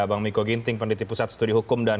bang miko ginting pendidik pusat studi hukum dan